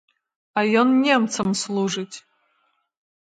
А ён немцам служыць!